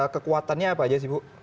kekuatannya apa aja sih bu